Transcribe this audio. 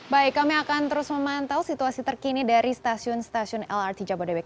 baik kami akan terus memantau situasi terkini dari stasiun stasiun lrt jabodebek